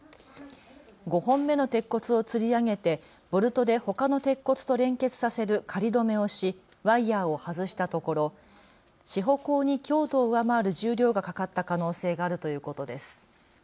５本目の鉄骨をつり上げてボルトでほかの鉄骨と連結させる仮どめをしワイヤーを外したところ支保工に強度を上回る重量がかかった可能性があるということです。